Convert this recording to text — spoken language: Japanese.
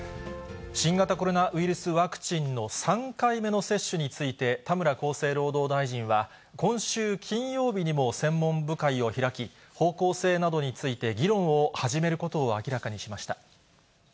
新型コロナウイルスワクチンの３回目の接種について、田村厚生労働大臣は、今週金曜日にも専門部会を開き、方向性などについて議論を始めることを明らかにしました。